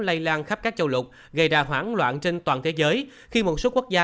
lây lan khắp các châu lục gây ra hoảng loạn trên toàn thế giới khi một số quốc gia